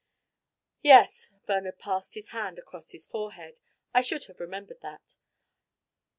"Yes." Bernard passed his hand across his forehead. "I should have remembered that.